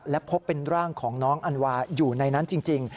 และพบเป็นร่างของน้องอันวาอยู่ในนั้นจริง